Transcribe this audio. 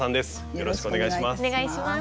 よろしくお願いします。